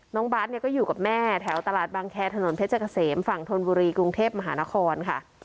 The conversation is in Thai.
น้องบาทเนี่ยก็อยู่กับแม่แถวตลาดบางแคร์ถนนเพชรเกษมฝั่งธนบุรีกรุงเทพมหานครค่ะ